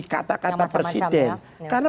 kata kata presiden karena